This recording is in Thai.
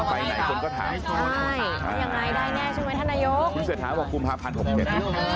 ฟ้าไหนก็ตามคุณเสร็จหากุมภาพทันหกเจ็ด